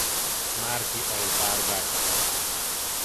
Márki Alpár bátyja.